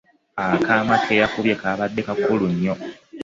Akaama ke yankubye kaabadde kakulu nnyo.